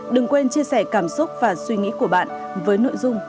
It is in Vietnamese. đừng quên chia sẻ cảm xúc và suy nghĩ của bạn với nội dung